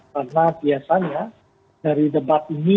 karena biasanya dari debat ini